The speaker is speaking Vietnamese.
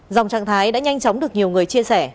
dòng trạng thái đã nhanh chóng được nhiều người chia sẻ